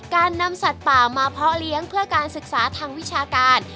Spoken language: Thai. การนำสัตว์ป่ามาเพาะเลี้ยงเพื่อการศึกษาทางวิชาการ